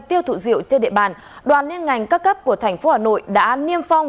tiêu thụ rượu trên địa bàn đoàn liên ngành các cấp của thành phố hà nội đã niêm phong